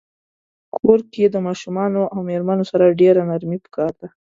په کور کښی د ماشومانو او میرمنو سره ډیره نرمی پکار ده